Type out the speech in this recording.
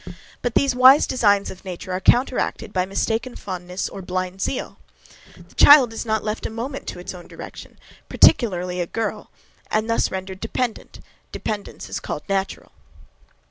But these wise designs of nature are counteracted by mistaken fondness or blind zeal. The child is not left a moment to its own direction, particularly a girl, and thus rendered dependent dependence is called natural.